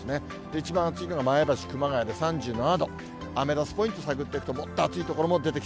一番暑いのが前橋、熊谷で３７度、アメダスポイント探っていくともっと暑い所出てき